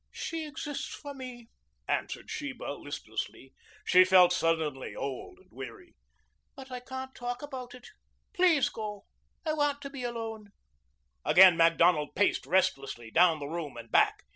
"She exists for me," answered Sheba listlessly. She felt suddenly old and weary. "But I can't talk about it. Please go. I want to be alone." Again Macdonald paced restlessly down the room and back.